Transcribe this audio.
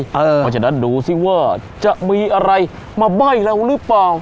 เพราะฉะนั้นดูสิว่าจะมีอะไรมาใบ้เราหรือเปล่า